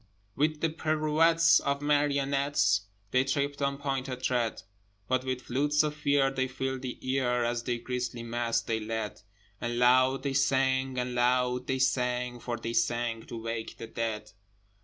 With the pirouettes of marionettes, They tripped on pointed tread: But with flutes of Fear they filled the ear, As their grisly masque they led, And loud they sang, and loud they sang, For they sang to wake the dead.